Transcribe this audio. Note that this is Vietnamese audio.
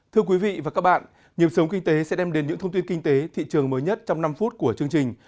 thưa quý vị và các bạn nhiệm sống kinh tế sẽ đem đến những thông tin kinh tế thị trường mới nhất trong năm phút của chương trình